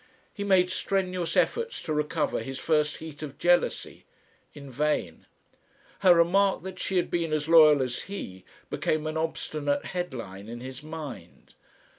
He made strenuous efforts to recover his first heat of jealousy in vain. Her remark that she had been as loyal as he, became an obstinate headline in his mind.